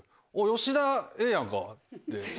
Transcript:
吉田、ええやんかって。